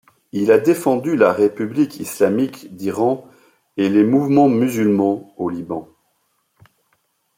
Il a défendu la République islamique d'Iran et les mouvements musulmans au Liban.